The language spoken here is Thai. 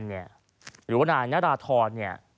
หรือว่านางนาราธร